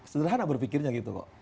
sederhana berpikirnya gitu